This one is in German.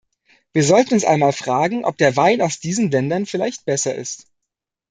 Wir sollten uns einmal fragen, ob der Wein aus diesen Ländern vielleicht besser ist.